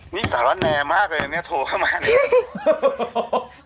นี่สารแนมากเลยนะเนี่ยโทรเข้ามาเนี่ย